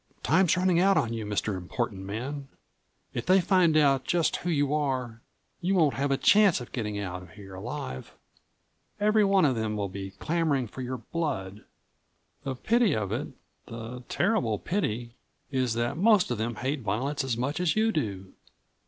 "Time's running out on you, Mr. Important Man. If they find out just who you are, you won't have a chance of getting out of here alive. Every one of them will be clamoring for your blood. The pity of it, the terrible pity, is that most of them hate violence as much as you do.